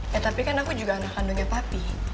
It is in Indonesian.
ya tapi kan aku juga anak kandungnya papi